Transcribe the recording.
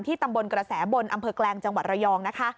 ที่ตำบลกระแสบนอำเภอกลางจังหวัดระยอง